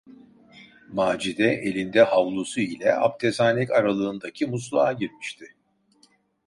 Macide elinde havlusu ile apteshane aralığındaki musluğa girmişti.